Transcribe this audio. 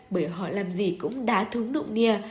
bởi họ làm gì cũng đá thúng nụ nia